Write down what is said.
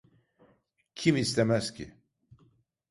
Kim istemez ki?